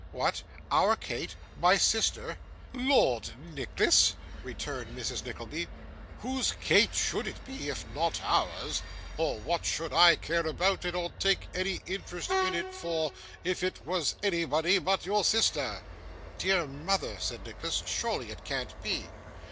'What! OUR Kate! My sister!' 'Lord, Nicholas!' returned Mrs. Nickleby, 'whose Kate should it be, if not ours; or what should I care about it, or take any interest in it for, if it was anybody but your sister?' 'Dear mother,' said Nicholas, 'surely it can't be!